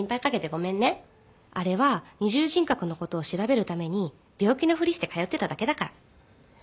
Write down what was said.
あれは二重人格のことを調べるために病気のふりして通ってただけだから。